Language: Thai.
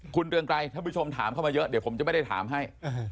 คุณเรืองไกรท่านผู้ชมถามเข้ามาเยอะเดี๋ยวผมจะไม่ได้ถามให้